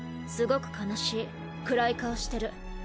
すごく悲しい暗い顔してる。